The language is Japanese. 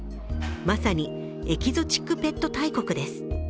まさに、エキゾチックペット大国です。